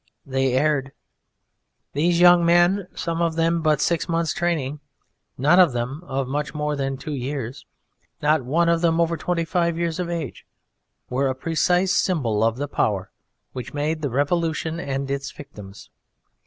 They erred: these young men, some of them of but six months' training, none of them of much more than two years, not one of them over twenty five years of age, were a precise symbol of the power which made the Revolution and its victims.